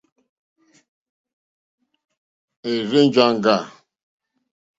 È rzênjāŋɡâ.